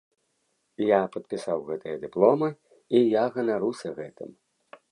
Я падпісаў гэтыя дыпломы, і я ганаруся гэтым.